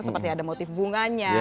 seperti ada motif bunganya